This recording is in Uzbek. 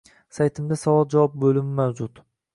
Saytimda Savol-Javob bo’limi mavjud